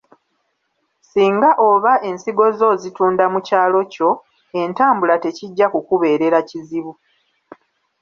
Singa oba ensigo zo ozitunda mu kyalo kyo, entambula tekijja kukubeerera kizibu.